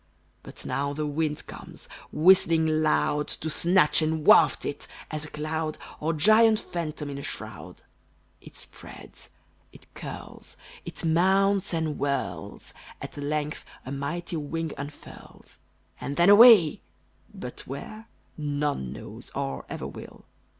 But now the wind comes, whistling loud, To snatch and waft it, as a cloud, Or giant phantom in a shroud. It spreads, it curls, it mounts and whirls; At length a mighty wing unfurls; And then, away! but where, none knows, Or ever will.